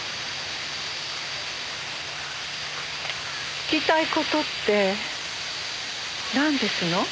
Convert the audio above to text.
聞きたい事ってなんですの？